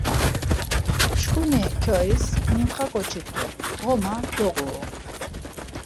Çkuni kyois mintxa ǩoç̌i t̆u, ğoma doğuru.